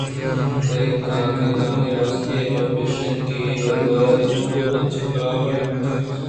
تئی کاگدانی راستی ءَ گپ اش اِنت کہ اے کاگد تچک ءَ تچک کلام ءَنہ داتگ اَنت